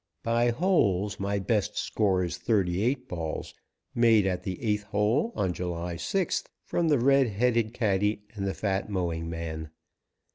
By holes, my best score is thirty eight balls, made at the eighth hole on July 6th, from the red headed caddy and the fat mowing man.